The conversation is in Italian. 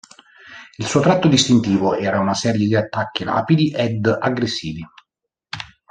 Il suo tratto distintivo era una serie di attacchi rapidi ed aggressivi.